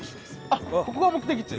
あっここが目的地？